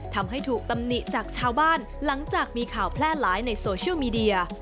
ทำให้ถูกตำหนิจากชาวบ้านหลังจากมีข่าวแพร่หลายในโซเชียลมีเดีย